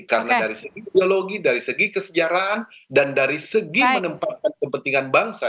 karena dari segi ideologi dari segi kesejarahan dan dari segi menempatkan kepentingan bangsa